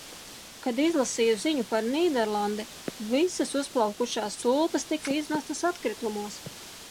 Kad izlasīju ziņu par Nīderlandi – visas uzplaukušās tulpes tika izmestas atkritumos.